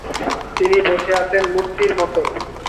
তিনি বসে আছেন মূর্তির মতো।